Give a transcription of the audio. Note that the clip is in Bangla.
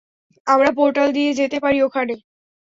আমরা পোর্টাল দিয়ে যেতে পারি ওখানে।